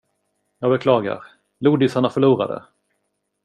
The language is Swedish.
Jag beklagar. Lodisarna förlorade!